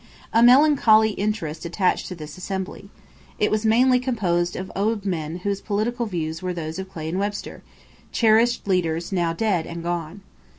A melancholy interest attached to this assembly. It was mainly composed of old men whose political views were those of Clay and Webster, cherished leaders now dead and gone.